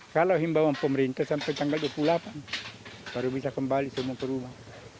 kalau himbawan pemerintah sampai tanggal dua puluh delapan baru bisa kembali semua ke rumah